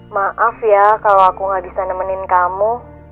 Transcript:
maaf ya kalau aku gak bisa nemenin kamu